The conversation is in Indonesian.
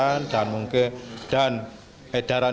dan edaran dari kementerian kesehatan